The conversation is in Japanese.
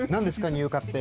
乳化って。